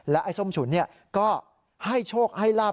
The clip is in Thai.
ไอ้ส้มฉุนก็ให้โชคให้ลาบ